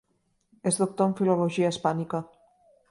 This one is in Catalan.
És doctor en Filologia Hispànica.